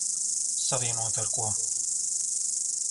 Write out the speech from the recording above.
Savienota ar ko?